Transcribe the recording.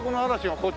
こっち。